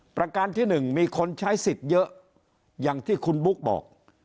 ประการที่๑มีคนใช้สิทธิ์เยอะอย่างที่คุณบุ๊กบอก